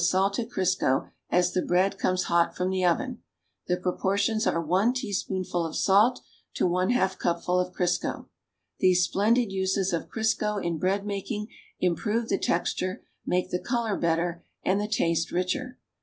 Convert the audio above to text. sailed Crisco as llie bread eomes hot from the oven. The proportions are 1 tcaspoonful of salt to I 2 cupful of Crisco. These splendid uses of Crisco in bread baking improve the texture, make the color better and the taste richer.